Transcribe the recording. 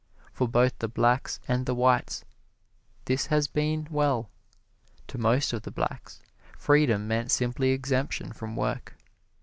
For both the blacks and the whites this has been well. To most of the blacks freedom meant simply exemption from work.